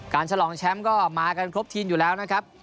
ฉลองแชมป์ก็มากันครบทีมอยู่แล้วนะครับ